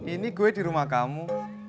ini gue di rumah kamu